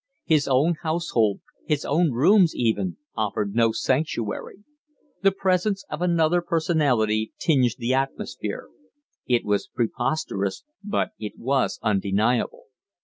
His own household his own rooms, even offered no sanctuary. The presence of another personality tinged the atmosphere. It was preposterous, but it was undeniable.